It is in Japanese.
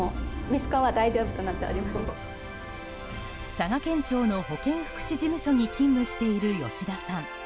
佐賀県庁の保健福祉事務所に勤務している吉田さん。